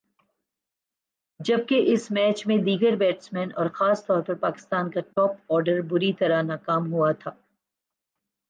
جبکہ اس میچ میں دیگر بیٹسمین اور خاص طور پر پاکستان کا ٹاپ آرڈر بری طرح ناکام ہوا تھا ۔